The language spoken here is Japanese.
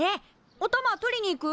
おたま取りに行く？